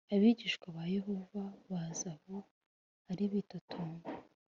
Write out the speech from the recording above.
Abigishwa ba Yohana baza aho ari bitotomba